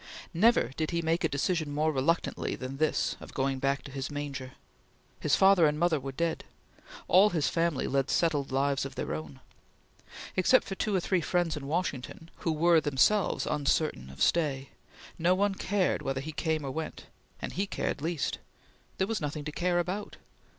Never did he make a decision more reluctantly than this of going back to his manger. His father and mother were dead. All his family led settled lives of their own. Except for two or three friends in Washington, who were themselves uncertain of stay, no one cared whether he came or went, and he cared least. There was nothing to care about.